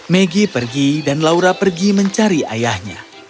maggie pergi dan laura pergi mencari ayahnya